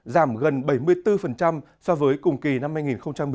giảm gần bảy mươi bốn so với cùng kỳ năm hai nghìn một mươi chín